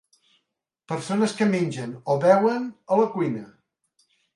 Persones que mengen o beuen a la cuina.